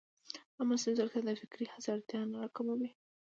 ایا مصنوعي ځیرکتیا د فکري هڅې اړتیا نه راکموي؟